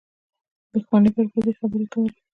دښمنۍ بربادۍ خبرې کولې